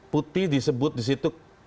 putih disebut disitu